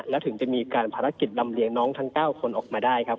และถึงจะมีการภารกิจลำเลียงน้องทั้ง๙คนออกมาได้ครับ